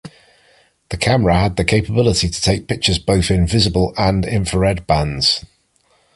The camera had the capability to take pictures both in visible and infrared bands.